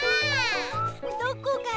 どこかな？